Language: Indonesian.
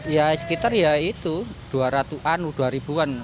ya sekitar ya itu rp dua ratus an rp dua an